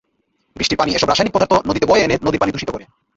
বৃষ্টির পানি এসব রাসায়নিক পদার্থ নদীতে বয়ে এনে নদীর পানি দূষিত করে।